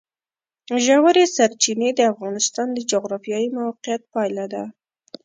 ژورې سرچینې د افغانستان د جغرافیایي موقیعت پایله ده.